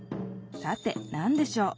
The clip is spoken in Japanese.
さて何でしょう？